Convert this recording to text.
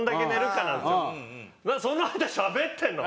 その間しゃべってるの？